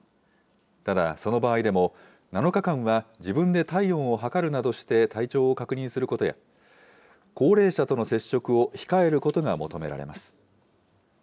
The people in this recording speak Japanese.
ただ、その場合でも、７日間は自分で体温を測るなどして体調を確認することや、高齢者との接触を控えることが求められます。